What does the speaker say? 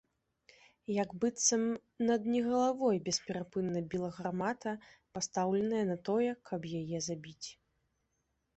Як быццам над не галавой бесперапынна біла гармата, пастаўленая на тое, каб яе забіць.